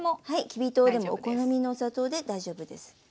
はいきび糖でもお好みのお砂糖で大丈夫です。